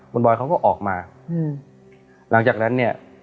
คุณบอยเขาก็ออกมาอืมหลังจากนั้นเนี่ย